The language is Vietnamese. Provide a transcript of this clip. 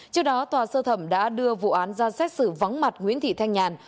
trước đó tòa sơ thẩm đã đưa vụ án ra xét xử vắng mặt nguyễn thị thanh nhàn